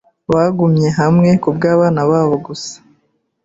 Bagumye hamwe kubwabana babo gusa.